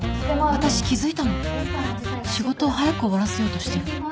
私気付いたの仕事を早く終わらせようとしてる。